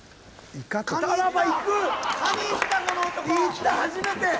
いった初めて！